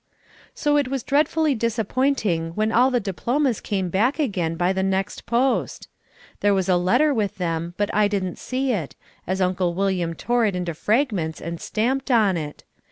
So it was dreadfully disappointing when all the diplomas came back again by the next post. There was a letter with them but I didn't see it, as Uncle William tore it into fragments and stamped on it.